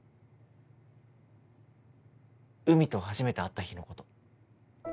うみと初めて会った日のこと。